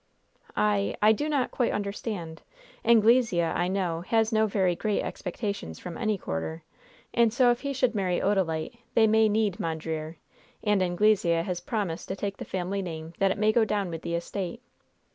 "I do not quite understand. Anglesea, I know, has no very great expectations from any quarter, and so if he should marry Odalite they may need Mondreer; and Anglesea has promised to take the family name that it may go down with the estate."